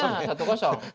ya satu kosong